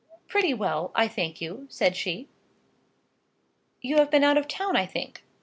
"Pretty well, I thank you," said she. "You have been out of town, I think?"